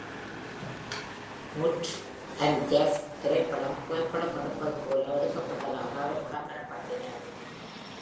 “Mutt and Jeff” திரைப்படம் “புகைப்படம் எடுப்பது போல” எடுக்கப்பட்டதாக அவர் விளம்பர்ப்படுத்தினார்.